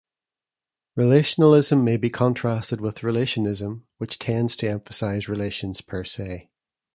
Relationalism may be contrasted with relationism, which tends to emphasize relations per se.